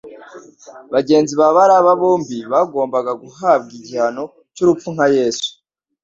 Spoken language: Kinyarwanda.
Bagenzi ba Baraba bombi bagombaga guhabwa igihano cy'urupfu nka Yesu